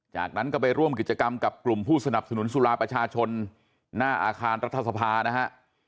จากนั้นก็ไปร่วมกิจกรรมกับกลุ่มผู้สนับสนุนสุราประชาชนหน้าอาคารรัฐสภานะฮะ